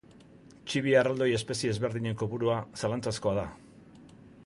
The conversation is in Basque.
Txibia erraldoi espezie ezberdinen kopurua zalantzazkoa da.